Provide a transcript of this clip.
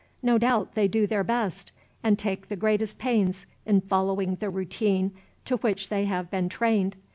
No doubt they do their best, and take the greatest pains in following the routine to which they have been trained.